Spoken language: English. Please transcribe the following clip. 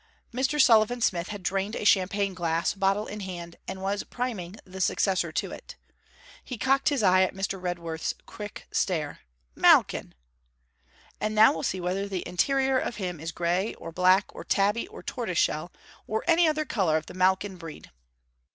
Mr. Sullivan Smith had drained a champagne glass, bottle in hand, and was priming the successor to it. He cocked his eye at Mr. Redworth's quick stare. 'Malkin!' And now we'll see whether the interior of him is grey, or black, or tabby, or tortoise shell, or any other colour of the Malkin breed.'